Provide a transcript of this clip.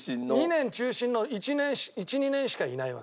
２年中心の１２年しかいないわけ。